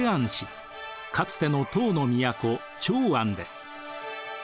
かつての唐の都長安です。